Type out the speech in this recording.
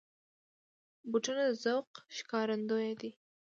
بوټونه د ذوق ښکارندوی دي.